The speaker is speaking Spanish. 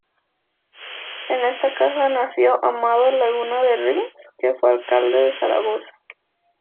En esta casa nació Amado Laguna de Rins, que fue alcalde de Zaragoza.